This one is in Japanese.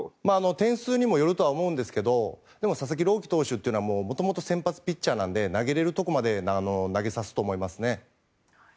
点数にもよると思うんですけど佐々木投手はもともと先発ピッチャーなので投げられるところまで投げさせると思いますね。